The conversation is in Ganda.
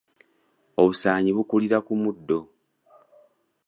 Obusaanyi bukulira ku muddo.